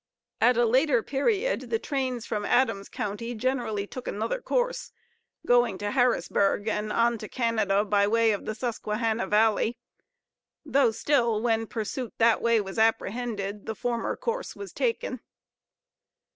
[At a later period, the trains from Adams county generally took another course, going to Harrisburg, and on to Canada, by way of the Susquehanna Valley; though still, when pursuit that way was apprehended, the former course was taken.